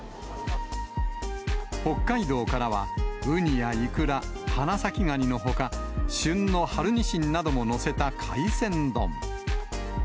北海道からは、ウニやイクラ、花咲ガニのほか、旬の春ニシンなども載せた海鮮丼。